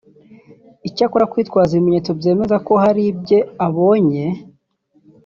Icyakora kwitwaza ibimenyetso byemeza ko hari ibye abonye